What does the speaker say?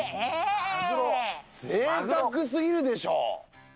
ぜいたくすぎるでしょ。